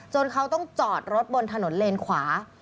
เขาต้องจอดรถบนถนนเลนขวา